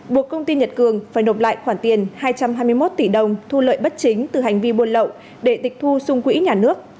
buộc công ty nhật cường phải nộp lại khoản tiền hai trăm hai mươi một tỷ đồng thu lợi bất chính từ hành vi buôn lậu để tịch thu xung quỹ nhà nước